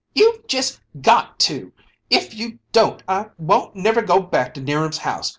You've just got to! If you don't I won't never go back to 'Niram's house!